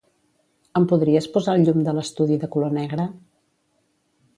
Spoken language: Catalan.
Em podries posar el llum de l'estudi de color negre?